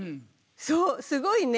そうすごいね。